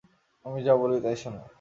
আমি যা বলি তাই শোনো।